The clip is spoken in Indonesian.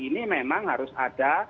ini memang harus ada